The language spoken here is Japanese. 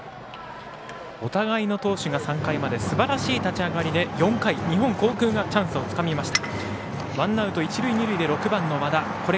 お互いの投手が３回まですばらしい立ち上がりで４回、日本航空がチャンスをつかみました。